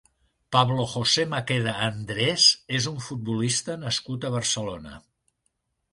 Pablo José Maqueda Andrés és un futbolista nascut a Barcelona.